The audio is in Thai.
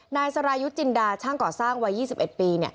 นายสรายุทธ์จินดาช่างก่อสร้างวัย๒๑ปี